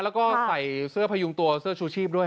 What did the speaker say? แล้วก็ใส่เสื้อพยุงตัวเสื้อชูชีพด้วย